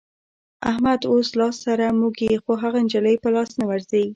احمد اوس لاس سره موږي خو هغه نجلۍ په لاس نه ورځي.